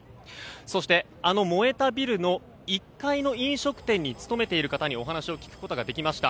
そして、あの燃えたビルの１階の飲食店に勤めている方にお話を聞くことができました。